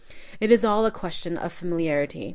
It is all a question of familiarity.